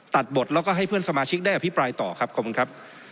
ตัดบทแล้วก็ให้เพื่อนสมาชิกได้อภิปรายต่อครับขอบคุณครับ